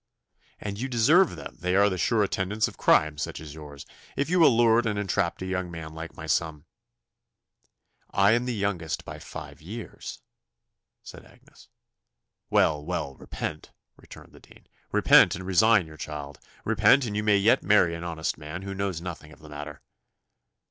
"And you deserve them: they are the sure attendants of crimes such as yours. If you allured and entrapped a young man like my son " "I am the youngest by five years," said Agnes. "Well, well, repent," returned the dean; "repent, and resign your child. Repent, and you may yet marry an honest man who knows nothing of the matter."